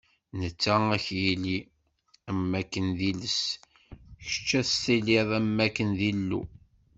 Netta ad k-yili am wakken d iles, kečč ad s-tiliḍ am wakken d Illu.